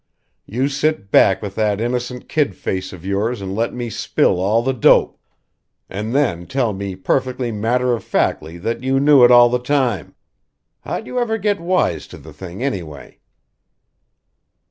You sit back with that innocent kid face of yours and let me spill all the dope and then tell me perfectly matter of factly that you knew it all the time. How'd you ever get wise to the thing, anyway?"